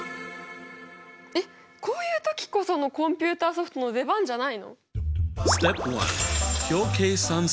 えっこういう時こそのコンピューターソフトの出番じゃないの！？